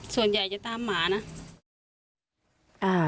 ส่วนใหญ่จะตามหมานะ